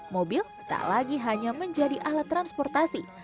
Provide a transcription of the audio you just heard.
mobil tak lagi hanya menjadi alat transportasi